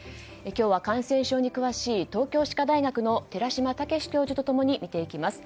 今日は感染症に詳しい東京歯科大学の寺嶋毅教授と共に見ていきます。